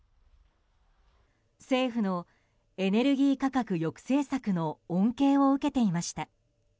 政府のエネルギー価格抑制策の恩恵を受けていました。